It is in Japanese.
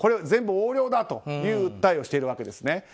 全部横領だという訴えをしているわけです。